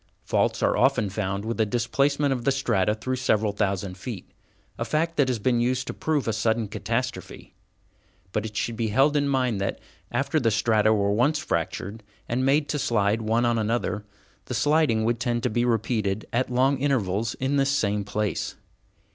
Faults are often found with a displacement of the strata through several thousand feet, a fact that has been used to prove a sudden catastrophe. But it should be held in mind that, after the strata were once fractured and made to slide one on another, the sliding would tend to be repeated at long intervals in this same place.